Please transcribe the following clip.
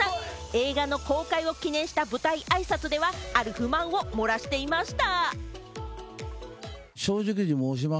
映画の公開を記念した舞台あいさつではある不満を漏らしていました。